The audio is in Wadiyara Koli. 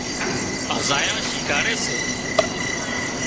آۯيئان شڻڳاري سي